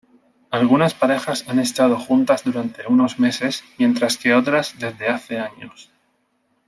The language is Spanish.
Algunas parejas han estado juntas durante unos meses, mientras que otras, desde hace años.